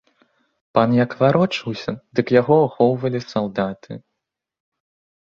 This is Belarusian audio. Пан як варочаўся, дык яго ахоўвалі салдаты.